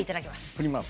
振ります。